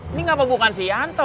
ini apa bukan si yanto